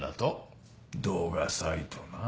動画サイトな。